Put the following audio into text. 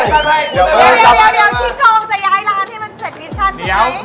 เดี๋ยวที่กองจะย้ายร้านให้มันเสร็จมิชชั่นใช่ไหม